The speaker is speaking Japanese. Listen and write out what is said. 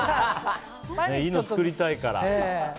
いいの作りたいから。